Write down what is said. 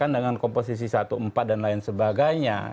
dengan komposisi satu empat dan lain sebagainya